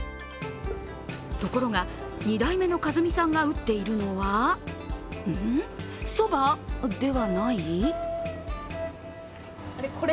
ところが、２代目の一美さんが打っているのは、そばではない？